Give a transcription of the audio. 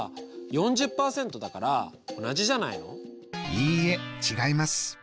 いいえ違います。